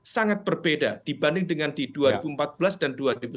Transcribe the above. sangat berbeda dibanding dengan di dua ribu empat belas dan dua ribu sembilan belas